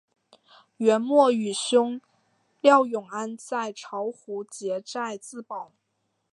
元末与兄廖永安在巢湖结寨自保。